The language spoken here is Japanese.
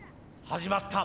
始まった。